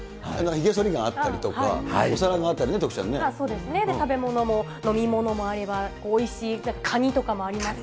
ひげそりがあったりとか、お皿があったりとか、そうですね、食べ物も飲み物もあれば、おいしいカニとかもありますし。